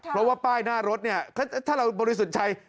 เพราะว่าป้ายหน้ารถเนี่ยถ้าเราบริสุทธิ์ใจ